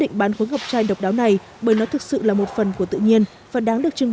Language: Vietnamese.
định bán khối ngọc trai độc đáo này bởi nó thực sự là một phần của tự nhiên và đáng được trưng